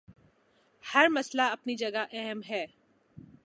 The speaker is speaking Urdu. ہر مسئلہ اپنی جگہ اہم ہے۔